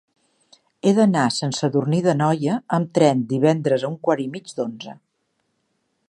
He d'anar a Sant Sadurní d'Anoia amb tren divendres a un quart i mig d'onze.